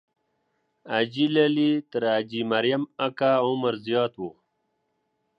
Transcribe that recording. حاجي لالی تر حاجي مریم اکا عمر زیات وو.